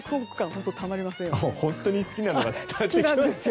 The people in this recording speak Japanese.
本当に好きなのが伝わってきます。